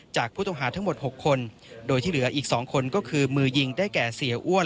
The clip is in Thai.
จากผู้ต้องหาทั้งหมด๖คนโดยที่เหลืออีก๒คนก็คือมือยิงได้แก่เสียอ้วน